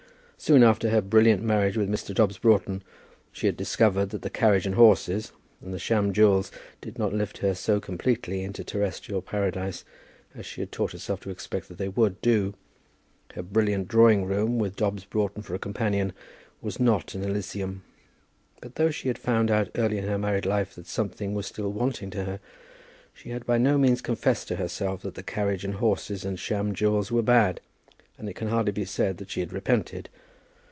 Soon after her brilliant marriage with Mr. Dobbs Broughton, she had discovered that the carriage and horses, and the sham jewels, did not lift her so completely into a terrestrial paradise as she had taught herself to expect that they would do. Her brilliant drawing room, with Dobbs Broughton for a companion, was not an elysium. But though she had found out early in her married life that something was still wanting to her, she had by no means confessed to herself that the carriage and horses and sham jewels were bad, and it can hardly be said that she had repented.